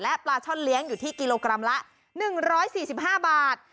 ปลาช่อนเลี้ยงอยู่ที่กิโลกรัมละ๑๔๕บาท